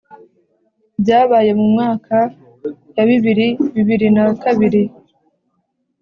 byabaye mu myaka ya bibiri- bibiri na kabiri.